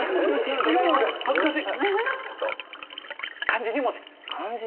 違うんだ恥ずかしい。